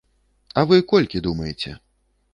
А вы колькі думаеце?